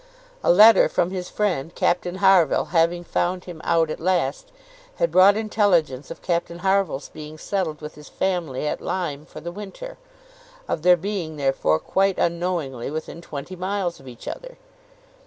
A letter from his friend, Captain Harville, having found him out at last, had brought intelligence of Captain Harville's being settled with his family at Lyme for the winter; of their being therefore, quite unknowingly, within twenty miles of each other.